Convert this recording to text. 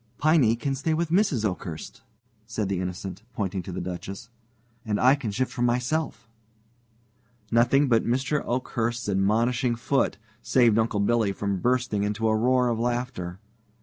"Piney can stay with Mrs. Oakhurst," said the Innocent, pointing to the Duchess, "and I can shift for myself." Nothing but Mr. Oakhurst's admonishing foot saved Uncle Billy from bursting into a roar of laughter.